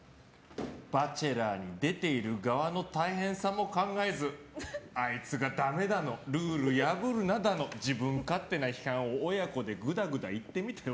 「バチェラー」に出ている側の大変さも考えずあいつがだめだのルール破るなだの自分勝手な批判を親子でグダグダ言ってみては？